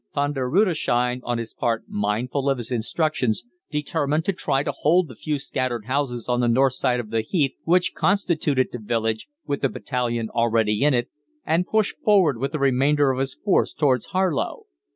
Von der Rudesheim, on his part, mindful of his instructions, determined to try to hold the few scattered houses on the north side of the heath which constituted the village, with the battalion already in it, and push forward with the remainder of his force towards Harlow.